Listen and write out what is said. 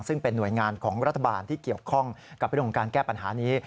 ซึ่งเป็นหน่วยงานของรัฐบาลที่เกี่ยวข้องกับเรื่องของการแก้ปัญหานี้